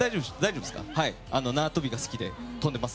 縄跳びが好きで跳んでます。